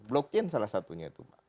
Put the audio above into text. blockchain salah satunya itu mbak